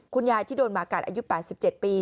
คุณยายที่โดนหมากัดอายุ๘๗ปี